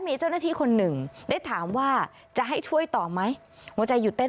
พาพนักงานสอบสวนสนราชบุรณะพาพนักงานสอบสวนสนราชบุรณะ